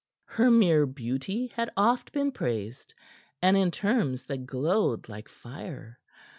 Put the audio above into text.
Her mere beauty had oft been praised, and in terms that glowed like fire.